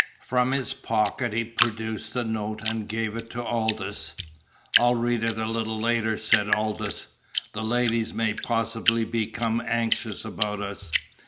From his pocket he produced the note and gave it to Aldous. "I'll read it a little later," said Aldous. "The ladies may possibly become anxious about us."